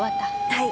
はい。